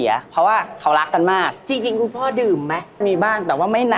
อย่างงี้เลยอย่างงี้เลย